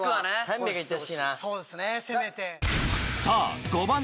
そうですねせめて。